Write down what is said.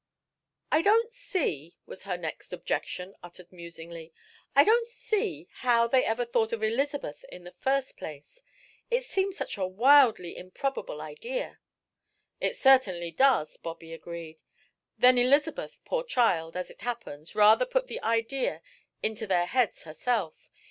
"I don't see," was her next objection, uttered musingly, "I don't see how they ever thought of Elizabeth in the first place. It seems such a wildly improbable idea." "It certainly does," Bobby agreed. "Then Elizabeth, poor child, as it happens, rather put the idea into their heads herself.